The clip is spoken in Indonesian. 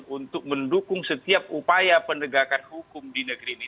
untuk mendukung setiap upaya penegakan hukum di negeri ini